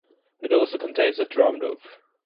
It also contains a drum loop.